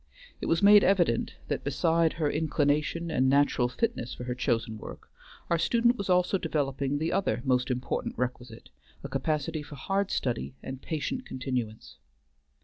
It was made evident that, beside her inclination and natural fitness for her chosen work, our student was also developing the other most important requisite, a capacity for hard study and patient continuance.